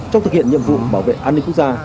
trong thực hiện nhiệm vụ bảo vệ an ninh quốc gia